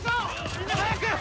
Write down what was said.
みんな早く！